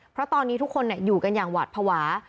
เพราะตอนนี้ทุกคนอยู่กันอย่างหวาดภาวะ